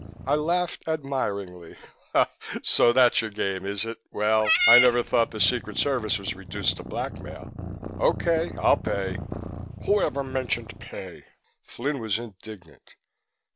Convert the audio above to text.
I laughed admiringly. "So that's how it's done, is it? Well, I never thought the Secret Service was reduced to blackmail. Okay, I'll pay." "Who ever mentioned pay?" Flynn was indignant.